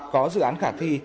có dự án khả thi